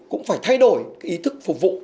cũng phải thay đổi ý thức phục vụ